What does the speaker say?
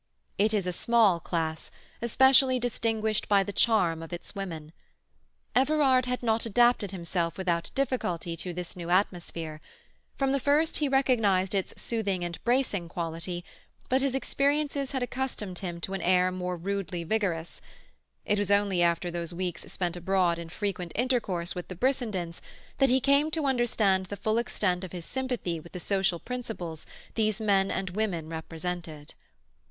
It is a small class, especially distinguished by the charm of its women. Everard had not adapted himself without difficulty to this new atmosphere; from the first he recognized its soothing and bracing quality, but his experiences had accustomed him to an air more rudely vigorous; it was only after those weeks spent abroad in frequent intercourse with the Brissendens that he came to understand the full extent of his sympathy with the social principles these men and women represented.